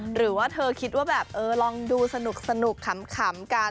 หรือว่าเธอคิดว่าแบบเออลองดูสนุกขำกัน